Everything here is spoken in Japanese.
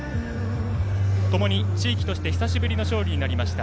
ともに地域として久しぶりの勝利となりました。